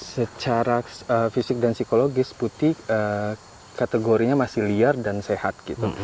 secara fisik dan psikologis putih kategorinya masih liar dan sehat gitu